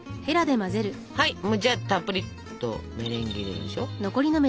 はいじゃあたっぷりとメレンゲ入れるでしょ。